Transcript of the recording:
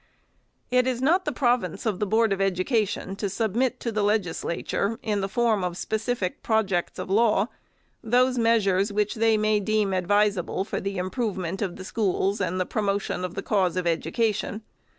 It is not the province of the Board of Education to submit to the Legislature, in the form of specific projects of law, those measures, which they may deem advisable for the improvement of the schools and the promotion of the cause of education.